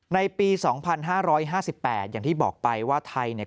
ในปีสองพันห้าร้อยห้าสิบแปดอย่างที่บอกไปว่าไทยเนี่ย